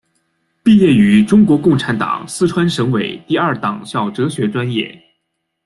毕业于中国共产党四川省委第二党校哲学专业。